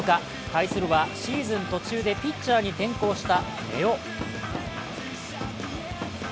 対するはシーズン途中でピッチャーに転向した根尾。